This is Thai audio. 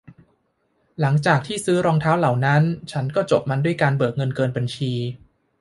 หลังจากที่ซื้อรองเท้าเหล่านั้น ฉันก็จบมันด้วยการเบิกเงินเกินบัญชี